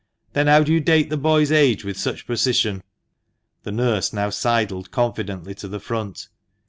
" Then how do you date the boy's age with such precision ?'' The nurse now sidled confidently to the front.